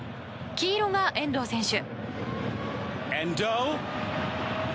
黄色が遠藤選手。